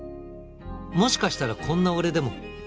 「もしかしたらこんな俺でも」